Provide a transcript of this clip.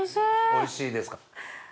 おいしいですか。